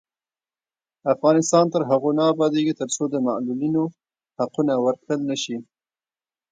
افغانستان تر هغو نه ابادیږي، ترڅو د معلولینو حقونه ورکړل نشي.